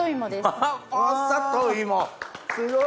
あすごい。